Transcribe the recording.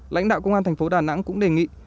lãnh đạo công an thành phố đà nẵng cũng đề nghị